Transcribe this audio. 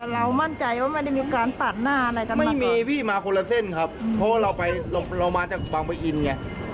เรามั่นใจว่าไม่ได้มีการปาดหน้าอะไรกันไม่มีพี่มาคนละเส้นครับเพราะว่าเราไปเรามาจากบางปะอินไง